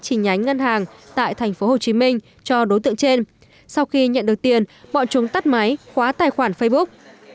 chính nhánh ngân hàng tại thành phố hồ chí minh cho đối tượng trên sau khi nhận được tiền bọn chúng tắt máy khóa tài khoản facebook